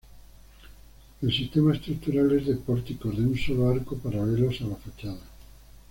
El sistema estructural es de pórticos de un solo arco, paralelos a la fachada.